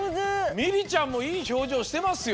ミリちゃんもいいひょうじょうしてますよ！